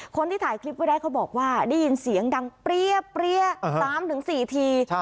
คนที่ถ่ายคลิปไว้ได้เขาบอกว่าได้ยินเสียงดังเปรี้ย๓๔ที